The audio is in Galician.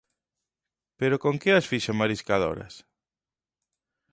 ¿Pero con que as fixo mariscadoras?